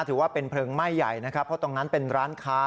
ถือว่าเป็นเพลิงไหม้ใหญ่นะครับเพราะตรงนั้นเป็นร้านค้า